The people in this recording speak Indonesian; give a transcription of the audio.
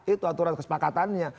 itu aturan kesepakatannya